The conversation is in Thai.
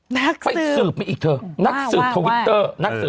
นักสืบว่าว่าว่านักสืบทวิตเตอร์